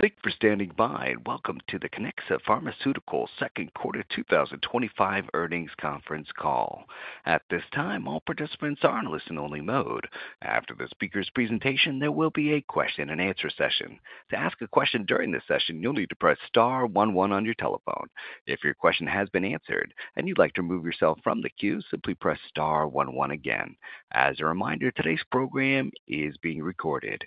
Thank you for standing by and welcome to the Kiniksa Pharmaceuticals International second quarter 2025 earnings conference call. At this time, all participants are in listen-only mode. After the speaker's presentation, there will be a question and answer session. To ask a question during this session, you'll need to press Star one one on your telephone. If your question has been answered and you'd like to remove yourself from the queue, simply press Star one one again. As a reminder, today's program is being recorded.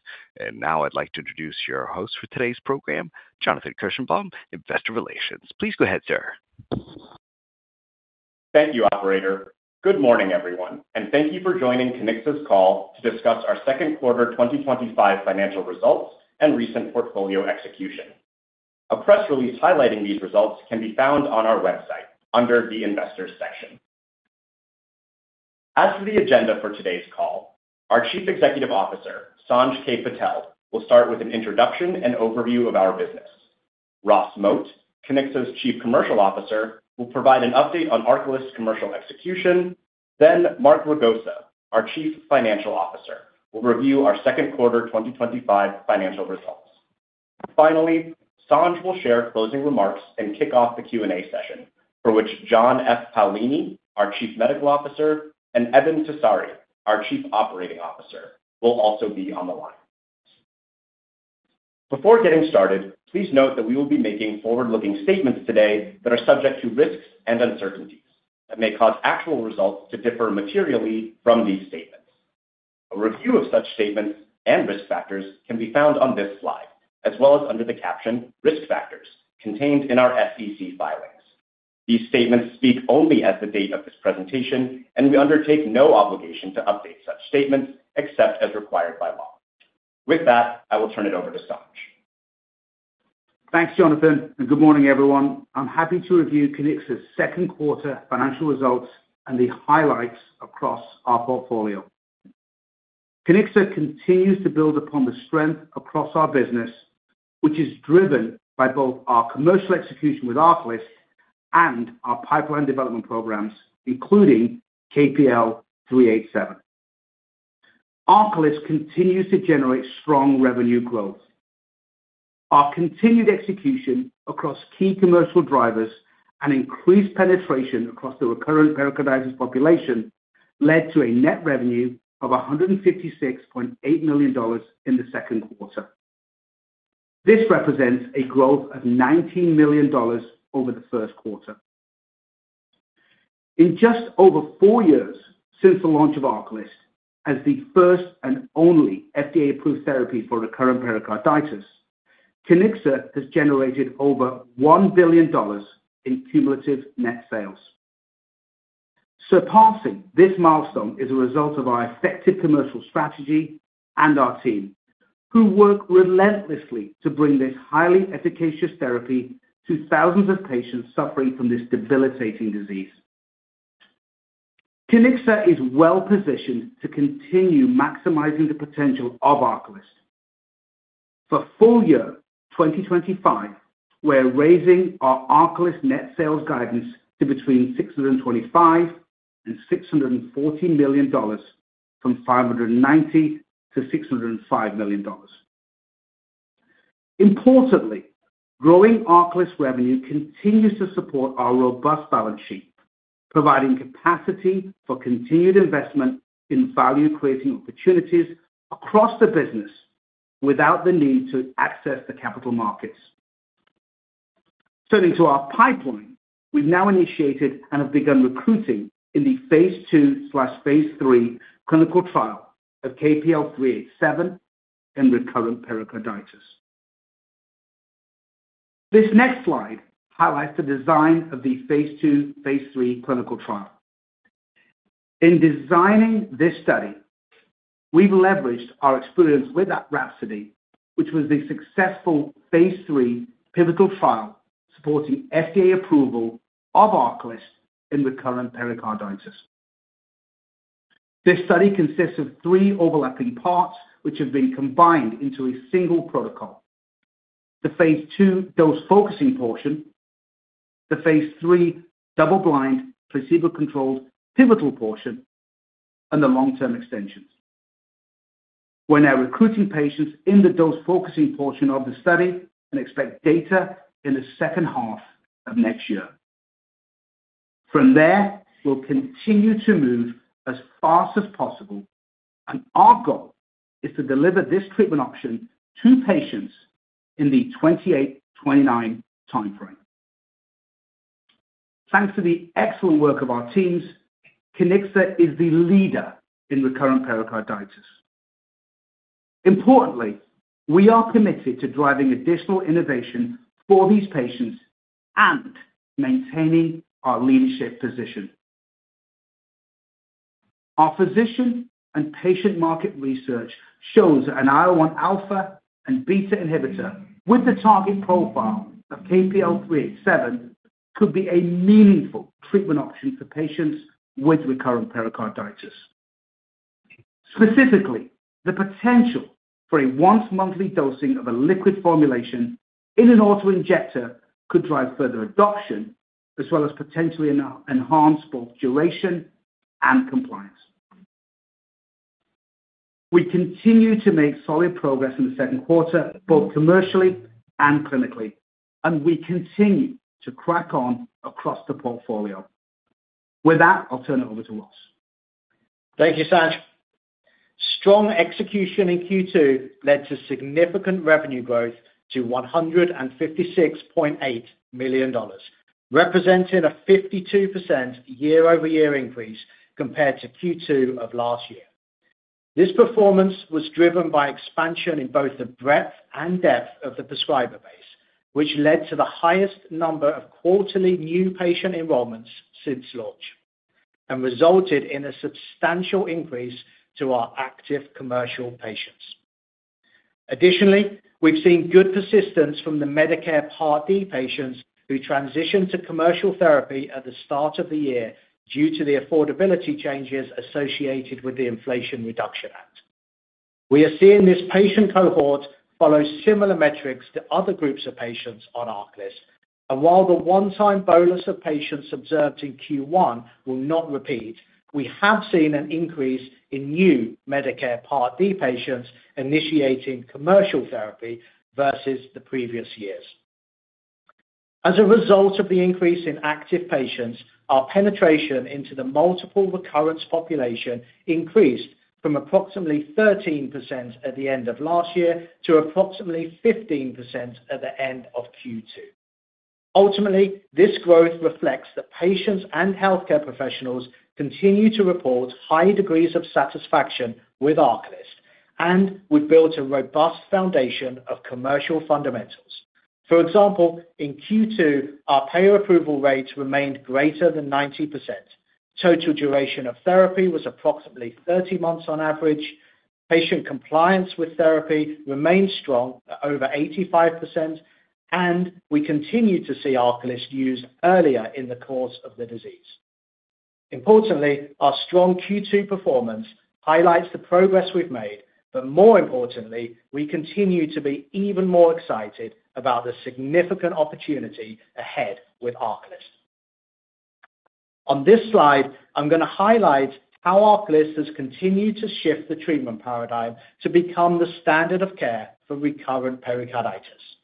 Now I'd like to introduce your host for today's program, Jonathan Kirshenbaum, Investor Relations. Please go ahead, sir. Thank you. Operator, good morning everyone and thank you for joining Kiniksa's call to discuss our second quarter 2025 financial results and recent portfolio execution. A press release highlighting these results can be found on our website under the Investors section. As for the agenda for today's call, our Chief Executive Officer, Sanj K. Patel, will start with an introduction and overview of our business. Ross Moat, Kiniksa's Chief Commercial Officer, will provide an update on ARCALYST commercial execution. Mark Ragosa, our Chief Financial Officer, will review our second quarter 2025 financial results. Finally, Sanj will share closing remarks and kick off the Q and A session for which John F. Paolini, our Chief Medical Officer, and Eben Tessari, our Chief Operating Officer, will also be on the line. Before getting started, please note that we will be making forward-looking statements today that are subject to risks and uncertainties that may cause actual results to differ materially from these statements. A review of such statements and risk factors can be found on this slide as well as under the caption Risk Factors contained in our SEC filings. These statements speak only as of the date of this presentation and we undertake no obligation to update such statements except as required by law. With that, I will turn it over to Sanj. Thanks Jonathan and good morning everyone. I'm happy to review Kiniksa's second quarter financial results and the highlights across our portfolio. Kiniksa continues to build upon the strength across our business which is driven by both our commercial execution with ARCALYST and our pipeline development programs including KPL-387. ARCALYST continues to generate strong revenue growth. Our continued execution across key commercial drivers and increased penetration across the recurrent pericarditis population led to a net revenue of $156.8 million in the second quarter. This represents a growth of $19 million over the first quarter in just over four years since the launch of ARCALYST as the first and only FDA-approved therapy for recurrent pericarditis. Kiniksa has generated over $1 billion in cumulative net sales. Surpassing this milestone is a result of our effective commercial strategy and our team who work relentlessly to bring this highly efficacious therapy to thousands of patients suffering from this debilitating disease. Kiniksa is well positioned to continue maximizing the potential of ARCALYST for full year 2025. We're raising our ARCALYST net sales guidance to between $625 million and $640 million, from $590 million-$605 million. Importantly, growing ARCALYST revenue continues to support our robust balance sheet, providing capacity for continued investment in value creating opportunities across the business without the need to access the capital markets. Turning to our pipeline, we've now initiated and have begun recruiting in the Phase 2/3 clinical trial of KPL-387 in recurrent pericarditis. This next slide highlights the design of the Phase 2/3 clinical trial. In designing this study, we've leveraged our experience with RHAPSODY, which was the successful Phase 3 pivotal trial supporting FDA approval of ARCALYST in recurrent pericarditis. This study consists of three overlapping parts which have been combined into a single protocol, the Phase 2 dose focusing portion, the Phase 3 double-blind placebo-controlled pivotal portion and the long-term extensions. We're now recruiting patients in the dose focusing portion of the study and expect data in the second half of next year. From there we'll continue to move as fast as possible and our goal is to deliver this treatment option to patients in the 2028-2029 time frame. Thanks to the excellent work of our teams. Kiniksa is the leader in recurrent pericarditis. Importantly, we are committed to driving additional innovation for these patients and maintaining our leadership position. Our physician and patient market research shows an IL-1α/β inhibitor with. The target profile of KPL-387 could be a meaningful treatment option for patients with recurrent pericarditis. Specifically, the potential for a once-monthly dosing of a liquid formulation in an autoinjector could drive further adoption as well as potentially enhance both duration and compliance. We continue to make solid progress in the second quarter both commercially and clinically, and we continue to crack on across the portfolio. With that, I'll turn it over to Ross. Thank you Sanj. Strong execution in Q2 led to significant revenue growth to $156.8 million, representing a 52% year-over-year increase compared to Q2 of last year. This performance was driven by expansion in both the breadth and depth of the prescriber base, which led to the highest number of quarterly new patient enrollments since launch and resulted in a substantial increase to our active commercial patients. Additionally, we've seen good persistence from the Medicare Part D patients who transitioned to commercial therapy at the start of the year due to the affordability changes associated with the Inflation Reduction Act. We are seeing this patient cohort follow similar metrics to other groups of patients on ARCALYST and while the one time bolus of patients observed in Q1 will not repeat, we have seen an increase in new Medicare Part D patients initiating commercial therapy versus the previous years. As a result of the increase in active patients, our penetration into the multiple recurrence population increased from approximately 13% at the end of last year to approximately 15% at the end of Q2. Ultimately, this growth reflects that patients and healthcare professionals continue to report high degrees of satisfaction with ARCALYST and we built a robust foundation of commercial fundamentals. For example, in Q2 our payer approval rates remained greater than 90%, total duration of therapy was approximately 30 months on average, patient compliance with therapy remained strong over 85%, and we continue to see ARCALYST used earlier in the course of the disease. Importantly, our strong Q2 performance highlights the progress we've made, but more importantly, we continue to be even more excited about the significant opportunity ahead with ARCALYST. On this slide I'm going to highlight how ARCALYST has continued to shift the treatment paradigm to become the standard of care for recurrent pericarditis.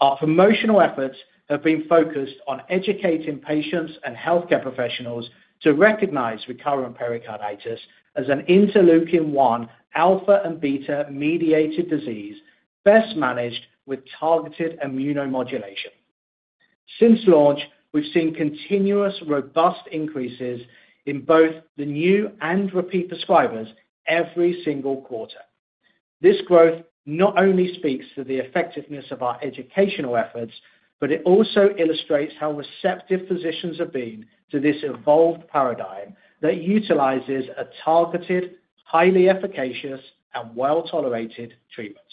Our promotional efforts have been focused on educating patients and healthcare professionals to recognize recurrent pericarditis as an interleukin-1 alpha and beta mediated disease best managed with targeted immunomodulation. Since launch, we've seen continuous robust increases in both the new and repeat prescribers every single quarter. This growth not only speaks to the effectiveness of our educational efforts, but it also illustrates how receptive physicians have been to this evolved paradigm that utilizes a targeted, highly efficacious and well-tolerated treatment.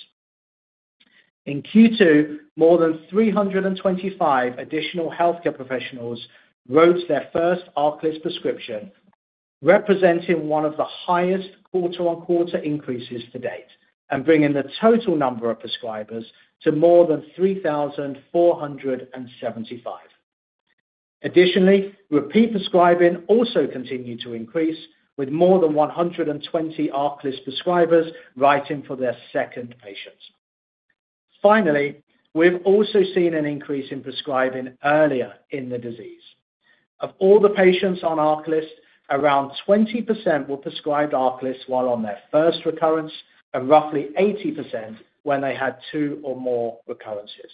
In Q2, more than 325 additional healthcare professionals wrote their first ARCALYST prescription, representing one of the highest quarter-on-quarter increases to date and bringing the total number of prescribers to more than 3,475. Additionally, repeat prescribing also continued to increase with more than 120 ARCALYST prescribers writing for their second patient. Finally, we've also seen an increase in prescribing earlier in the disease; of all the patients on ARCALYST, around 20% were prescribed ARCALYST while on their first recurrence and roughly 80% when they had two or more recurrences.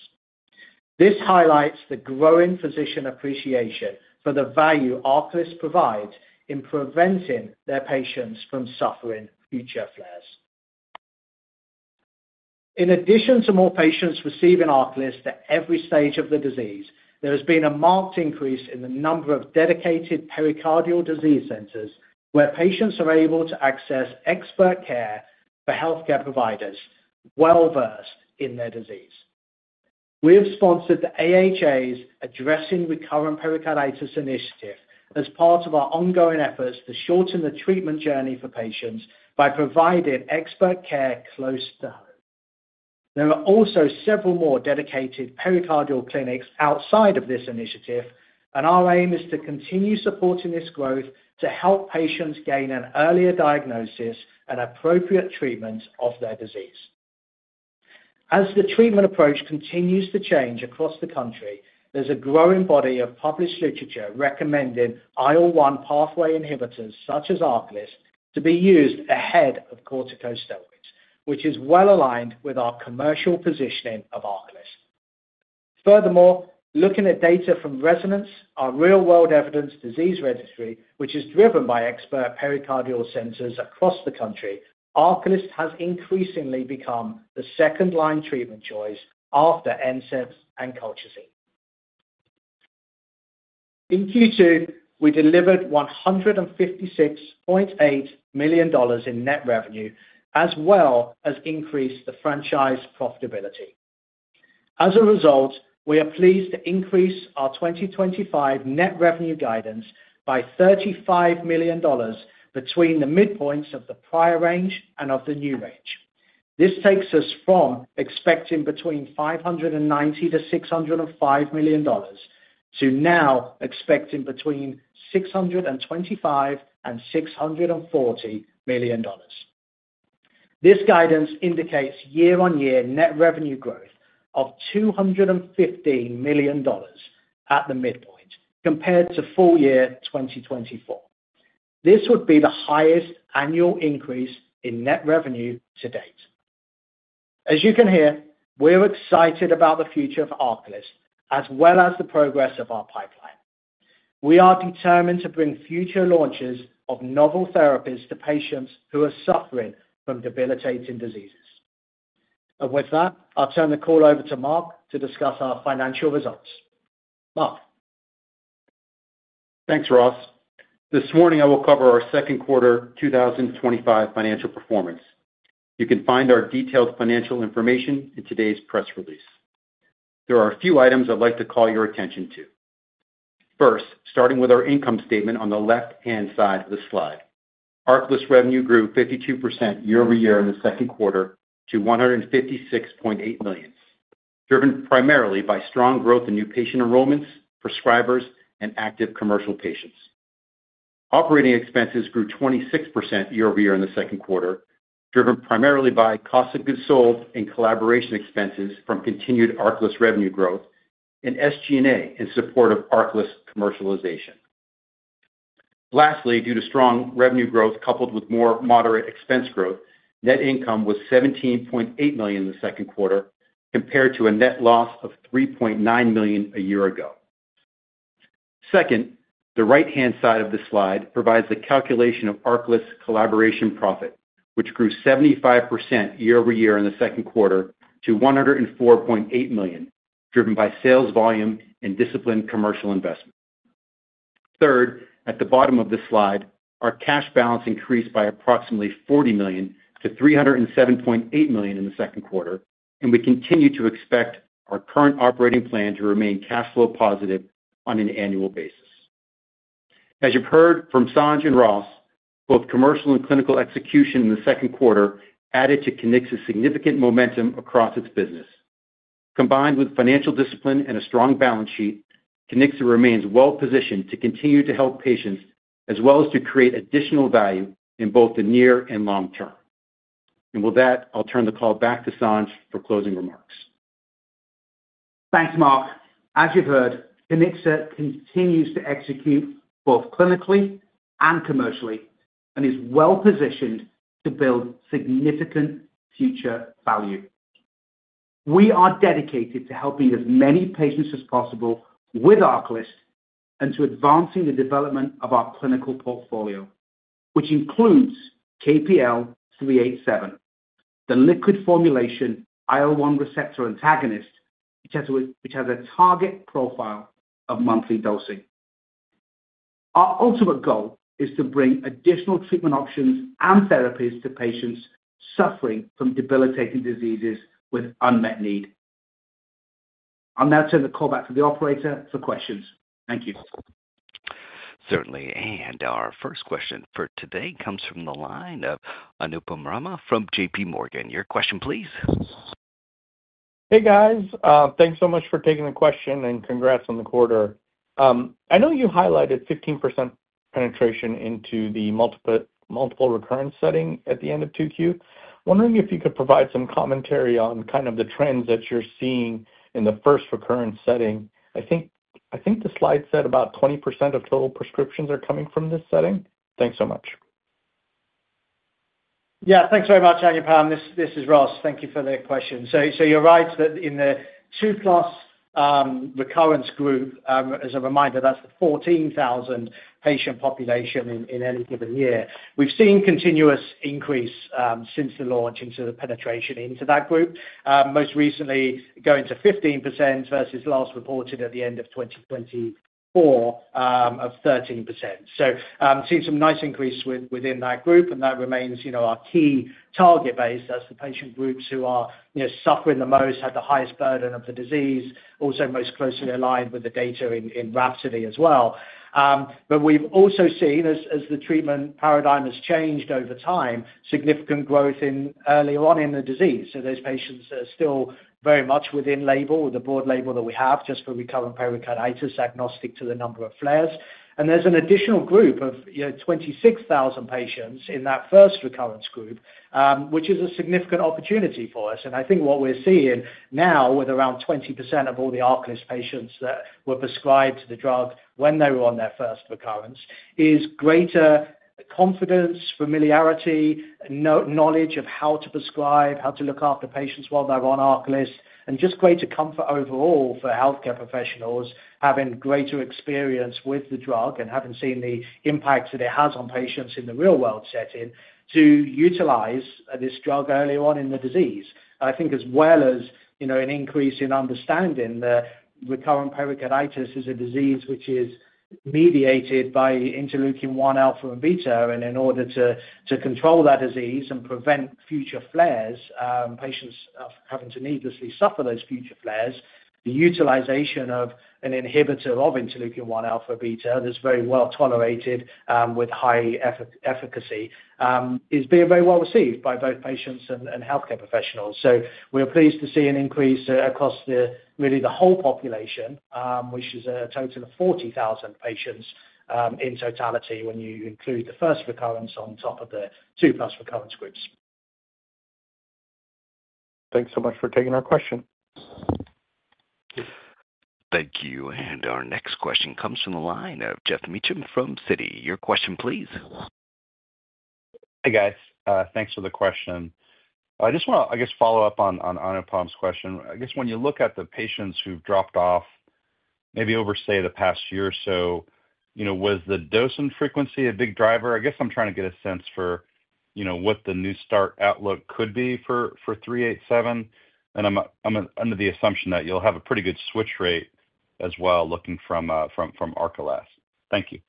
This highlights the growing physician appreciation for the value ARCALYST provides in preventing their patients from suffering future flares. In addition to more patients receiving ARCALYST at every stage of the disease, there has been a marked increase in the number of dedicated pericardial disease centers where patients are able to access expert care from healthcare providers well-versed in their disease. We have sponsored the AHA's Addressing Recurrent Pericarditis initiative as part of our ongoing efforts to shorten the treatment journey for patients by providing expert care close to home. There are also several more dedicated pericardial clinics outside of this initiative and our aim is to continue supporting this growth to help patients gain an earlier diagnosis and appropriate treatment of their disease. As the treatment approach continues to change across the country, there's a growing body of published literature recommending IL-1 pathway inhibitors such as ARCALYST to be used ahead of corticosteroids, which is well aligned with our commercial positioning of ARCALYST. Furthermore, looking at data from RESONANCE, our real-world evidence disease registry, which is driven by expert pericardial centers across the country, ARCALYST has increasingly become the second-line treatment choice after NSAIDs and colchicine. In Q2 we delivered $156.8 million in net revenue as well as increased the franchise profitability. As a result, we are pleased to increase our 2025 net revenue guidance by $35 million between the midpoints of the prior range and of the new range. This takes us from expecting between $590 million-$605 million to now expecting between $625 million and $640 million. This guidance indicates year on year net revenue growth of $215 million at the midpoint compared to full year 2024. This would be the highest annual increase in net revenue to date. As you can hear, we're excited about the future of ARCALYST as well as the progress of our pipeline. We are determined to bring future launches of novel therapies to patients who are suffering from debilitating diseases. With that, I'll turn the call over to Mark to discuss our financial results. Bob, thanks Ross. This morning I will cover our second quarter 2025 financial performance. You can find our detailed financial information in today's press release. There are a few items I'd like to call your attention to. First, starting with our income statement on the left hand side of the slide, ARCALYST revenue grew 52% year-over-year in the second quarter to $156.8 million, driven primarily by strong growth in new patient enrollments, prescribers, and active commercial patients. Operating expenses grew 26% year over year in the second quarter, driven primarily by cost of goods sold and collaboration expenses from continued ARCALYST revenue growth and SG&A in support of ARCALYST commercialization. Lastly, due to strong revenue growth coupled with more moderate expense growth, net income was $17.8 million in the second quarter compared to a net loss of $3.9 million a year ago. The right hand side of the slide provides the calculation of ARCALYST's collaboration profit, which grew 75% year over year in the second quarter to $104.8 million, driven by sales volume and disciplined commercial investment. At the bottom of this slide, our cash balance increased by approximately $40 million to $307.8 million in the second quarter and we continue to expect our current operating plan to remain cash flow positive on an annual basis. As you've heard from Sanj and Ross, both commercial and clinical execution in the second quarter added to Kiniksa's significant momentum across its business. Combined with financial discipline and a strong balance sheet, Kiniksa remains well positioned to continue to help patients as well as to create additional value in both the near and long term. With that, I'll turn the call back to Sanj for closing remarks. Thanks, Mark. As you've heard, Kiniksa continues to execute both clinically and commercially and is well positioned to build significant future value. We are dedicated to helping as many patients as possible with ARCALYST and to advancing the development of our clinical portfolio, which includes KPL-387, the liquid formulation IL-1α/β inhibitor, which has a target profile of monthly dosing. Our ultimate goal is to bring additional treatment options and therapies to patients suffering from debilitating diseases with unmet need. I'll now turn the call back to the operator for questions. Thank you. Certainly. Our first question for today comes from the line of Anupam Rama from JPMorgan. Your question please. Hey guys, thanks so much for taking the question and congrats on the quarter. I know you highlighted 15% penetration into the multiple multiple recurrence setting at the end of 2Q. Wondering if you could provide some commentary on kind of the trends that you're seeing in the first recurrence setting. I think the slide said about 20% of total prescriptions are coming from this setting. Thanks so much. Yeah, thanks very much. Anupam, this is Ross, thank you for the question. You're right that in the 2+ recurrence group, as a reminder, that's the 14,000 patient population in any given year. We've seen continuous increase since the launch into the penetration into that group, most recently going to 15% versus last reported at the end of 2024 of 13%. Seeing some nice increase within that group, and that remains our key target base. That's the patient group who are suffering the most, had the highest burden of the disease, and also most closely aligned with the data in RHAPSODY as well. We've also seen, as the treatment paradigm has changed over time, significant growth earlier on in the disease. Those patients are still very much within label, with the broad label that we have just for recurrent pericarditis, agnostic to the number of flares. There's an additional group of 26,000 patients in that first recurrence group, which is a significant opportunity for us. I think what we're seeing now with around 20% of all the ARCALYST patients that were prescribed the drug when they were on their first recurrence is greater confidence, familiarity, knowledge of how to prescribe, how to look after patients while they're on ARCALYST, and just greater comfort overall for healthcare professionals having greater experience with the drug and having seen the impact that it has on patients in the real-world setting to utilize this drug earlier on in the disease. I think, as well as an increase in understanding that recurrent pericarditis is a disease which is mediated by interleukin 1 alpha and beta, and in order to control that disease and prevent future flares, patients having to needlessly suffer those future flares. The utilization of an inhibitor of interleukin 1 alpha beta that's very well tolerated with high efficacy is being very well received by both patients and healthcare professionals. We are pleased to see an increase across really the whole population, which is a total of 40,000 patients in totality when you include the first recurrence on top of the 2+ recurrence groups. Thanks so much for taking our question. Thank you. Our next question comes from the line of Jeff Meacham from Citi. Your question, please. Hey guys, thanks for the question. I just want to follow up on Anupam's question. When you look at the patients who've dropped off maybe over, say, the past year or so, was the dosing frequency a big driver? I'm trying to get a sense for what the new start outlook could be for KPL-387, and I'm under the assumption that you'll have a pretty good switch rate as well, looking from ARCALYST. Thank you.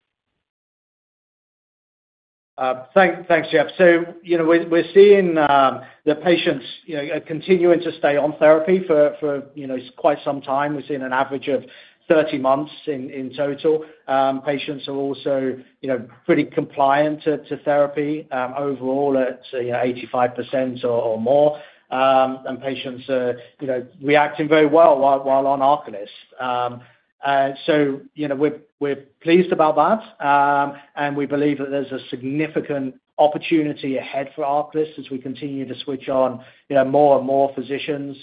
Thanks, Jeff. We're seeing the patients continuing to stay on therapy for quite some time. We've seen an average of 30 months in total. Patients are also pretty compliant to therapy overall at 85% or more. Patients are reacting very well while on ARCALYST. We're pleased about that, and we believe that there's a significant opportunity ahead for ARCALYST as we continue to switch on more and more physicians.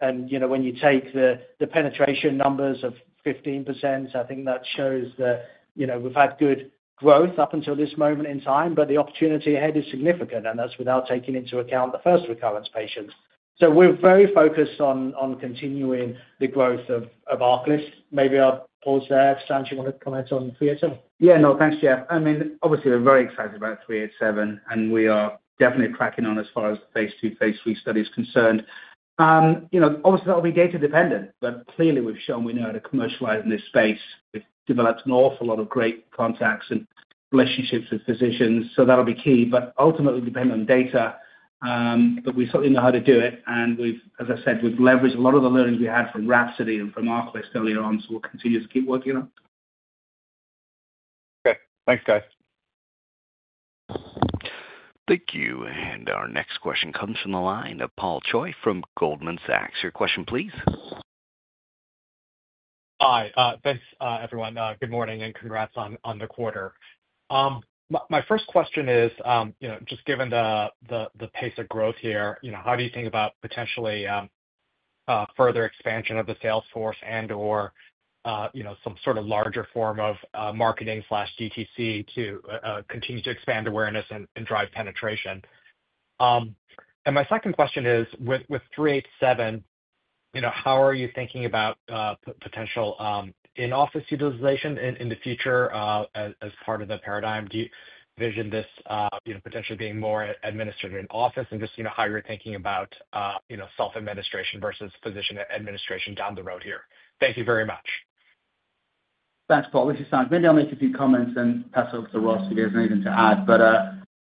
When you take the penetration numbers of 15%, I think that shows that we've had good growth up until this moment in time. The opportunity ahead is significant, and that's without taking into account the first recurrence patients. We're very focused on continuing the growth of ARCALYST. Maybe our partnership. Pause there. Sanj, do you want to comment on KPL-387? Yeah, no thanks, Jeff. I mean, obviously we're very excited about KPL-387 and we are definitely cracking on as far as the Phase 2/3 study is concerned. Obviously, that will be data dependent, but clearly we've shown we know how to commercialize in this space. We've developed an awful lot of great contacts and relationships with physicians. That'll be key, but ultimately depending on data we certainly know how to do as I said, we've. Leveraged a lot of the learnings we had from RHAPSODY and from ARCALYST earlier on. We'll continue to keep working on. Okay, thanks guys. Thank you. Our next question comes from the line of Paul Choi from Goldman Sachs. Your question please. Hi, thanks everyone. Good morning and congrats on the quarter. My first question is, just given the pace of growth here, how do you think about potentially. Further expansion of the sales force or, you know, some sort of larger. Form of marketing DTC to continue expand awareness and drive penetration. My second question is with 3. 8, 7. You know, how are you thinking about potential in-office utilization in the future as part of the paradigm? Do you envision this potentially? Being more administrative in office and just how you're thinking about self administration versus physician administration down the road here? Thank you very much. Thanks, Paul. This is Sanj. Maybe I'll make a few comments and pass over to Ross if there's anything to add.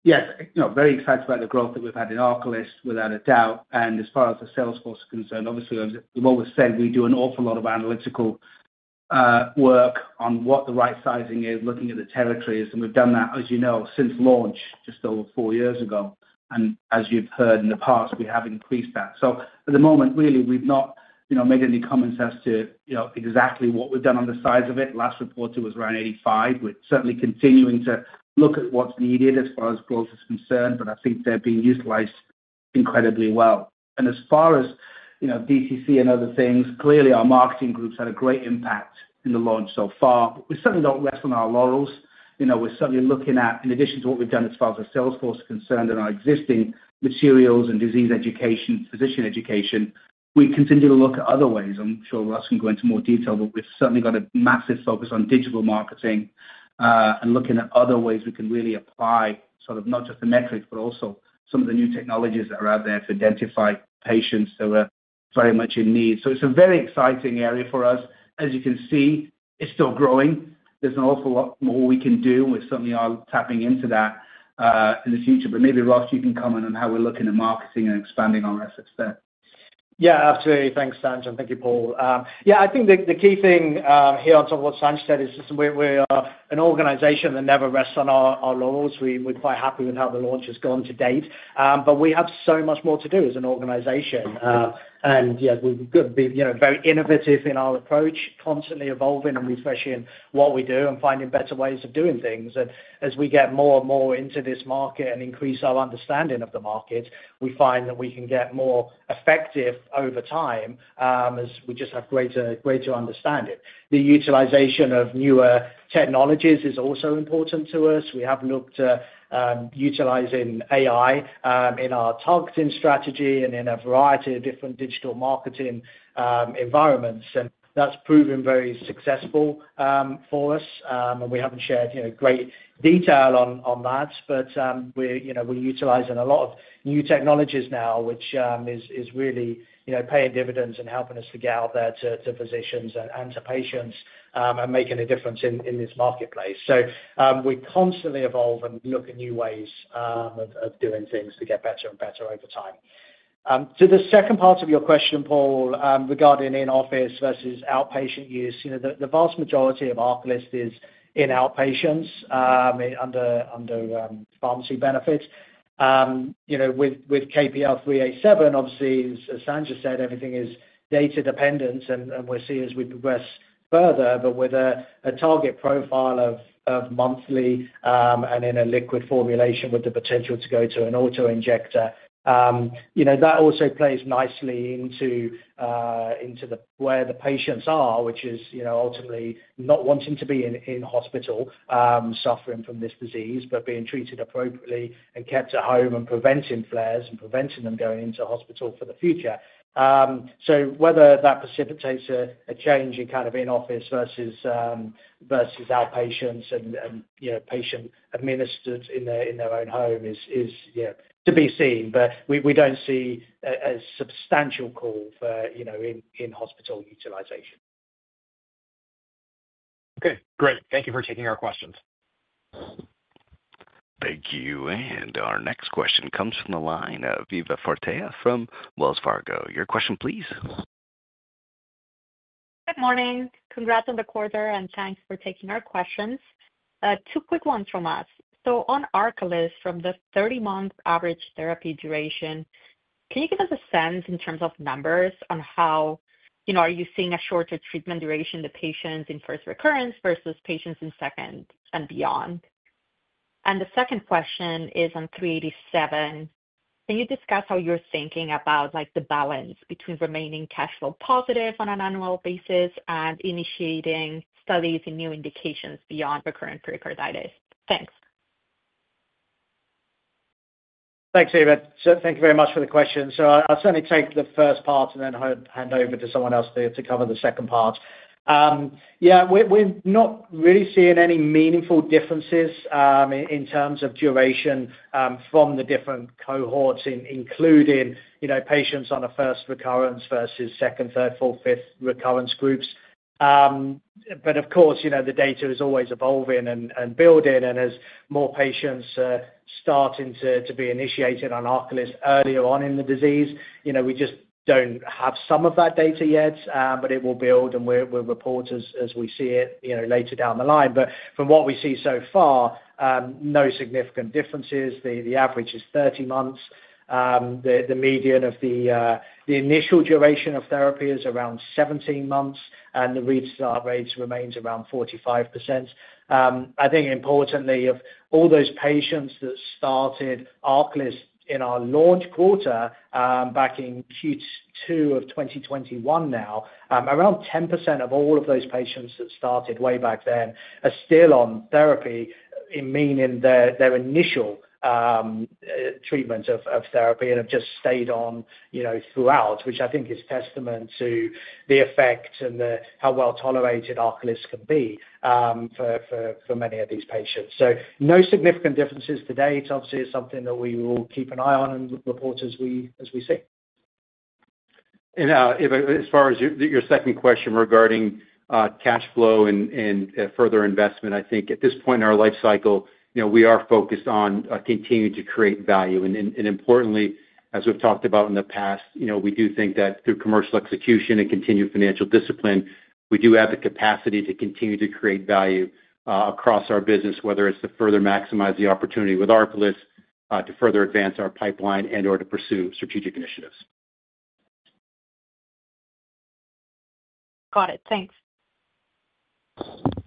Yes, very excited about the growth that we've had in ARCALYST without a doubt. As far as the sales force is concerned, obviously we've always said we do an awful lot of analytical work on what the right sizing is, looking at the territories. We've done that, as you know, since launch just over four years ago. As you've heard in the past, we have increased that. At the moment, really, we've not made any comments as to exactly what we've done on the size of it. Last reported was around 85. We're certainly continuing to look at what's needed as far as growth is concerned. I think they're being utilized incredibly well. As far as DTC and other things, clearly our marketing groups had a great impact in the launch so far. We certainly don't rest on our laurels. We're certainly looking at, in addition to what we've done as far as the sales force is concerned and our existing materials and disease education, physician education. We continue to look at other ways. I'm sure Ross can go into more detail, but we've certainly got a massive focus on digital marketing and looking at other ways. We can really apply sort of not just the metrics, but also some of the new technologies that are out there to identify patients that were very much in need. It's a very exciting area for us. As you can see, it's still growing. There's an awful lot more we can do. We certainly are tapping into that in the future. Maybe, Ross, you can comment on how we're looking at marketing and expanding our efforts. Yeah, absolutely. Thanks, Sanj. Thank you, Paul. I think the key thing here on top of what Sanj said is we are an organization that never rests on our laurels. We're quite happy with how the launch has gone to date, but we have so much more to do as an organization. Yes, we could be very innovative in our approach, constantly evolving and refreshing what we do and finding better ways of doing things. As we get more and more into this market and increase our understanding of the market, we find that we can get more effective over time as we just have greater understanding. The utilization of newer technologies is also important to us. We have looked at utilizing AI-driven targeting in our strategy and in a variety of different digital marketing environments, and that's proven very successful for us. We haven't shared great detail on that, but we're utilizing a lot of new technologies now, which is really paying dividends and helping us to get out there to physicians and to patients and making a difference in this marketplace. We constantly evolve and look at new ways of doing things to get better and better over time. To the second part of your question, Paul, regarding in office versus outpatient use. The vast majority of our list is in outpatients under pharmacy benefits with KPL-387. Obviously, as Sanj said, everything is data dependent and we'll see as we progress further. With a target profile of monthly and in a liquid formulation with the potential to go to an autoinjector, that also plays nicely into where the patients are, which is, you know, ultimately not wanting to be in hospital suffering from this disease, but being treated appropriately and kept at home and preventing flares and preventing them going into hospital for the future. Whether that precipitates a change in kind of in office versus outpatients and, you know, patient administered in their own home is to be seen. We don't see a substantial call for, you know, in hospital utilization. Okay, great. Thank you for taking our questions. Thank you. Our next question comes from the line of Eva Fortea-Verdejo from Wells Fargo. Your question please. Good morning. Congrats on the quarter and thanks for taking our questions. Two quick ones from us. On ARCALYST, from the 30-month average therapy duration, can you give us a sense in terms of numbers on how you are seeing a shorter treatment duration to patients in first recurrence versus patients in second and beyond? The second question is on KPL-387. Can you discuss how you're thinking about the balance between remaining cash flow positive on an annual basis and initiating studies in new indications beyond recurrent pericarditis? Thanks. Thanks, Eva. Thank you very much for the question. I'll certainly take the first part and then hand over to someone else to cover the second part. We're not really seeing any meaningful differences in terms of duration from the different cohorts, including patients on a first recurrence versus second, third, fourth, fifth recurrence groups. Of course, the data is always evolving and building, and as more patients are starting to be initiated on ARCALYST earlier on in the disease, we just don't have some of that data yet. It will build and we'll report as we see it later down the line. From what we see so far, no significant differences. The average is 30 months. The median of the initial duration of therapy is around 17 months and the restart rates remain around 45%. Importantly, of all those patients that started ARCALYST in our launch quarter back in Q2 of 2021, now around 10% of all of those patients that started way back then are still on therapy, meaning their initial treatment of therapy and have just stayed on throughout, which I think is testament to the effect and how well tolerated ARCALYST can be for many of these patients. No significant differences to date. Obviously, this is something that we will keep an eye on and report as we see. As far as your second question regarding cash flow and further investment, I think at this point in our life cycle we are focused on continuing to create value. Importantly, as we've talked about in the past, we do think that through commercial execution and continued financial discipline we do have the capacity to continue to create value across our business, whether it's to further maximize the opportunity with ARCALYST, to further advance our pipeline, and or to pursue strategic initiatives. Got it. Thanks. Thank you.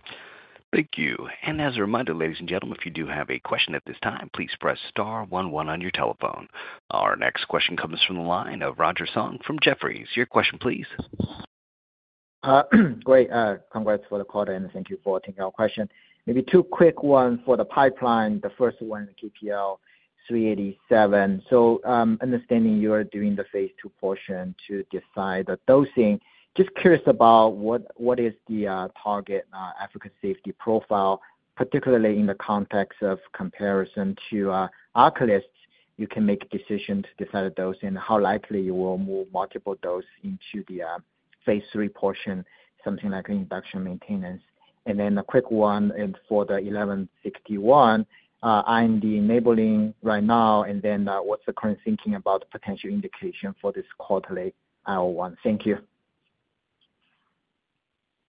As a reminder, ladies and gentlemen, if you do have a question at this time, please press star 11 on your telephone. Our next question comes from the line of Roger Song from Jefferies. Your question, please. Great, congrats for the call and thank you for taking our question. Maybe two quick ones for the pipeline. The first one, KPL-387. Understanding you are doing the Phase 2 portion to define, just curious about what is the target efficacy and safety profile, particularly in the context of comparison to ARCALYST. You can make a decision to decide a dose and how likely you will move multiple doses into the Phase 3 portion, something like induction maintenance. Then a quick one for the KPL-1161. I'm enabling right now, and then what's the current thinking about potential indication for this quarterly. Thank you.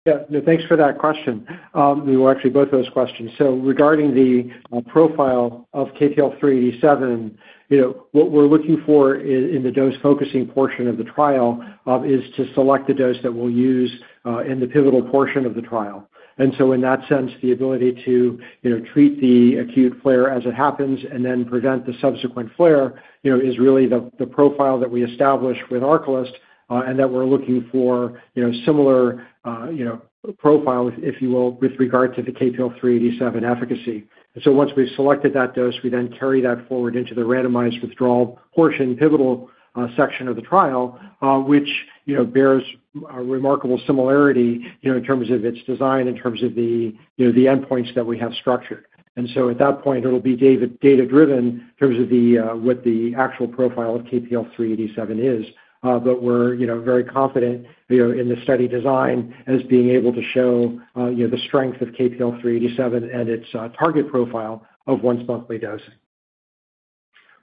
Thanks for that question. Actually, both those questions. Regarding the profile of KPL-387, what we're looking for in the dose focusing portion of the trial is to select the dose that we'll use in the pivotal portion of the trial. In that sense, the ability to treat the acute flare as it happens and then prevent the subsequent flare is really the profile that we established with ARCALYST, and we're looking for a similar profile, if you will, with regard to the KPL-387 efficacy. Once we've selected that dose, we then carry that forward into the randomized withdrawal portion, pivotal section of the trial, which bears remarkable similarity in terms of its design and in terms of the endpoints that we have structured. At that point, it will be data driven in terms of what the actual profile of KPL-387 is. We're very confident in the study design as being able to show the strength of KPL-387 and its target profile. Of once-monthly dosing.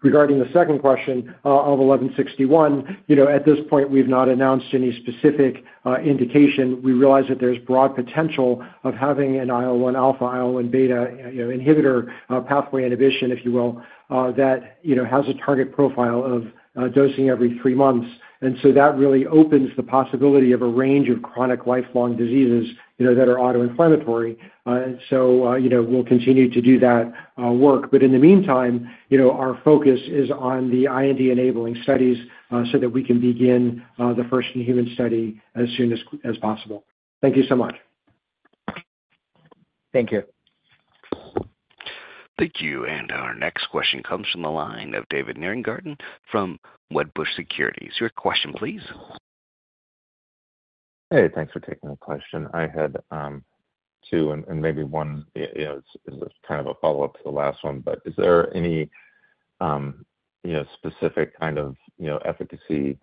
Regarding the second question of KPL-1161, at this point we've not announced any specific indication. We realize that there's broad potential of having an IL-1α/β inhibitor pathway inhibition, if you will, that has a target profile of dosing every three months. That really opens the possibility of a range of chronic lifelong diseases that are autoinflammatory. We'll continue to do that work, but in the meantime our focus is on the IND enabling studies so that we can begin the first human study as soon as possible. Thank you so much. Thank you. Thank you. Our next question comes from the line of David Nierengarten from Wedbush Securities. Your question please. Hey, thanks for taking the question. I had two and maybe one is kind of a follow up to the last one. Is there any specific kind of efficacy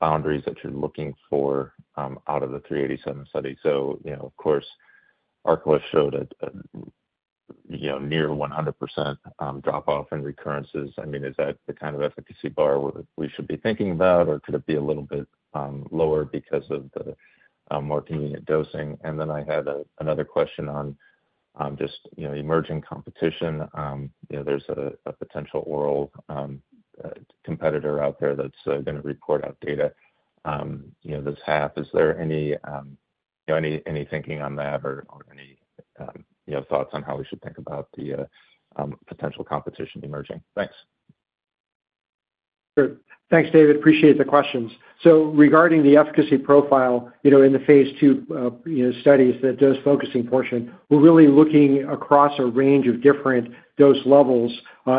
boundaries that you're looking for out of the 387 study? Of course, ARCALYST showed near 100% drop off in recurrences. Is that the kind of efficacy bar we should be thinking about or could it be a little bit lower because of the more convenient dosing? I had another question on just emerging competition. There's a potential oral competitor out there that's going to report out data this half. Is there any thinking on that or any thoughts on how we should think about the potential competition emerging? Thanks. Thanks, David. Appreciate the questions. Regarding the efficacy profile in the Phase 2 studies, the dose focusing portion, we're really looking across a range of different dose levels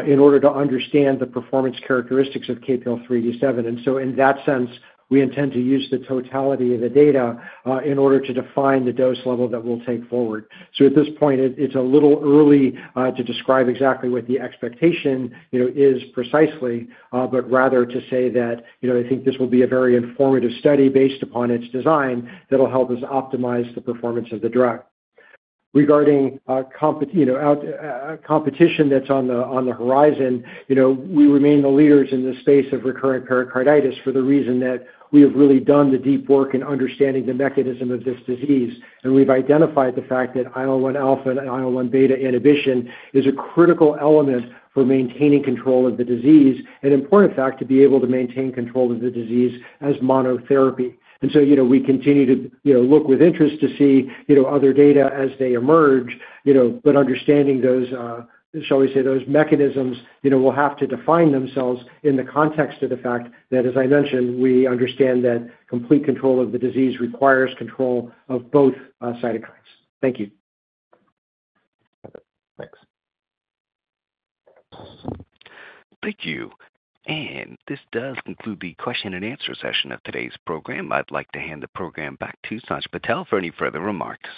in order to understand the performance characteristics of KPL-387. In that sense, we intend to use the totality of the data in order to define the dose level that we'll take forward. At this point, it's a little early to describe exactly what the expectation is precisely, but rather to say that I think this will be a very informative study based upon its design that will help us optimize the performance of the drug regarding. Competition that's on the horizon. We remain the leaders in the space of recurrent pericarditis for the reason that we have really done the deep work in understanding the mechanism of this disease, and we've identified the fact that IL-1α and IL-1β inhibition is a critical element for maintaining control of the disease and an important fact to be able to maintain control of the disease as monotherapy. We continue to look with interest to see other data as they emerge, but understanding those mechanisms will have to define themselves in the context of the fact that, as I mentioned, we understand that complete control of the disease requires control of both cytokines. Thank you. Thanks. Thank you. This does conclude the question-and-answer session of today's program. I'd like to hand the program back to Sanj Patel for any further remarks.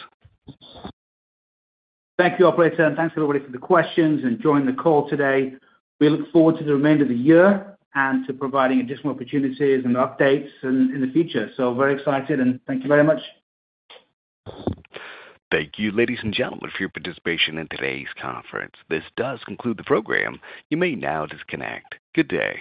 Thank you, operator. Thank you, everybody, for the questions and joining the call today. We look forward to the remainder of the year and to providing additional opportunities and updates in the future. Very excited, and thank you very much. Thank you, ladies and gentlemen, for your participation in today's conference. This does conclude the program. You may now disconnect. Good day.